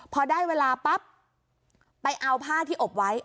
พอได้เวลาปั๊บไปเอาผ้าที่อบไว้